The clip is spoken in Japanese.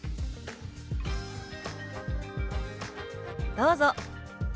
どうぞ。